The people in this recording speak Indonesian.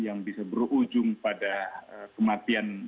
yang bisa berujung pada kematian